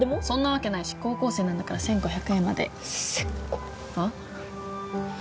そんなわけないし高校生なんだから１５００円までせこっはあ？